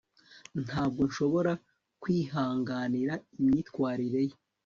ntabwo nshobora kwihanganira imyitwarire ye